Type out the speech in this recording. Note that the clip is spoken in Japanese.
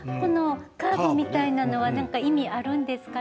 カーブみたいなのは意味があるんですか？